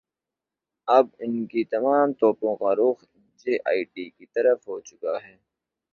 اب ان کی تمام توپوں کا رخ جے آئی ٹی کی طرف ہوچکا ہے۔